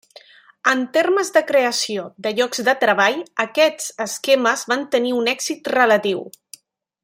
En termes de creació de llocs de treball aquests esquemes van tenir un èxit relatiu.